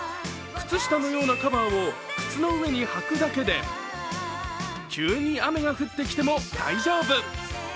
靴下のようなカバーを靴の上に履くだけで急に雨が降ってきても大丈夫。